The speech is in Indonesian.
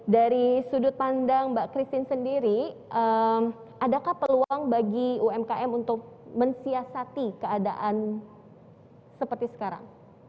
dari sudut pandang mbak christine sendiri adakah peluang bagi umkm untuk mensiasati keadaan seperti sekarang